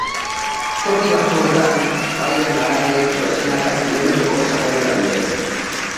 Toki batzuetan, failen haranek dozenaka kilometroko sakonera dute.